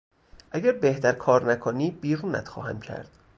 اگر بهتر کار نکنی بیرونت خواهم کرد!